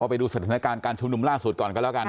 ไปดูสถานการณ์การชุมนุมล่าสุดก่อนกันแล้วกัน